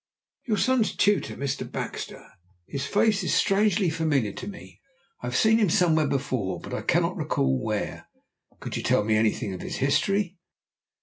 "Your son's tutor, Mr. Baxter! His face is strangely familiar to me. I have seen him somewhere before, but I cannot recall where. Could you tell me anything of his history?"